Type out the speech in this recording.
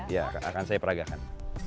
ya akan saya peragakan